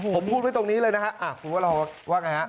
ผมพูดไว้ตรงนี้เลยนะครับคุณว่าเราว่าไงครับ